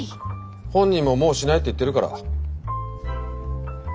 本人ももうしないって言ってるから。